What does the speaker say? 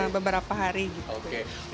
beberapa hari gitu